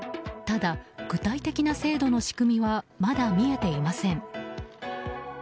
ただ、具体的な制度の仕組みはまだ見えていません。